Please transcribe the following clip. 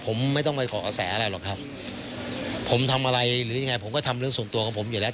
ผมไม่ต้องไปขอกระแสอะไรหรอกครับผมทำอะไรหรือยังไงผมก็ทำเรื่องส่วนตัวของผมอยู่แล้ว